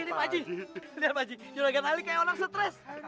ini pak haji lihat pak haji julaga ali kayak orang stres